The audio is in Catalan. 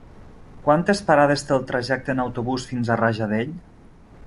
Quantes parades té el trajecte en autobús fins a Rajadell?